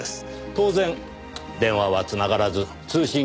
当然電話は繋がらず通信記録も残らない。